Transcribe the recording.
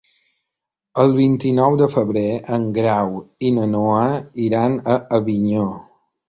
El vint-i-nou de febrer en Grau i na Noa iran a Avinyó.